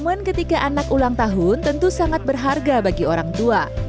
namun ketika anak ulang tahun tentu sangat berharga bagi orang tua